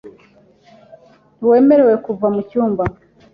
Ntiwemerewe kuva mucyumba.